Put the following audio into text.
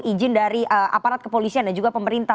izin dari aparat kepolisian dan juga pemerintah